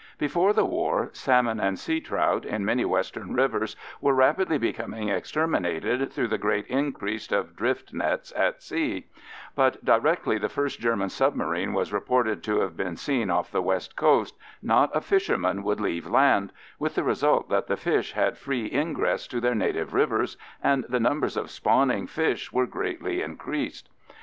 Before the war salmon and sea trout in many western rivers were rapidly becoming exterminated through the great increase of drift nets at sea; but directly the first German submarine was reported to have been seen off the west coast not a fisherman would leave land, with the result that the fish had free ingress to their native rivers, and the numbers of spawning fish were greatly increased.